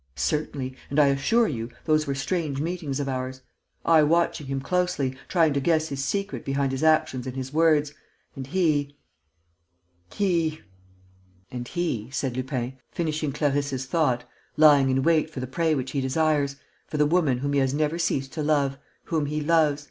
"Certainly. And, I assure you, those were strange meetings of ours: I watching him closely, trying to guess his secret behind his actions and his words, and he ... he...." "And he," said Lupin, finishing Clarisse's thought, "lying in wait for the prey which he desires ... for the woman whom he has never ceased to love ... whom he loves